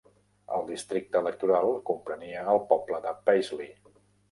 El districte electoral comprenia el poble de Paisley.